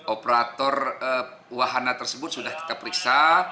operator wahana tersebut sudah kita periksa